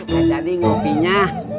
gak jadi kopinya